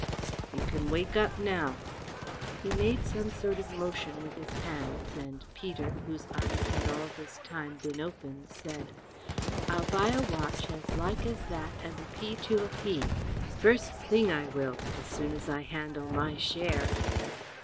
You can wake up now." He made some sort of motion with his hands and Peter, whose eyes had all this time been open, said: "I'll buy a watch as like that as a pea to a pea. First thing I will, as soon as I handle my share."